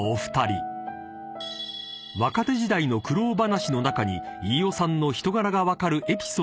［若手時代の苦労話の中に飯尾さんの人柄が分かるエピソードが］